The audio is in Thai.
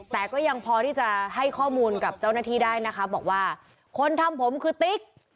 แต่ก็ยังพอที่จะให้ข้อมูลกับเจ้าหน้าที่ได้นะคะบอกว่าคนทำผมคือติ๊ก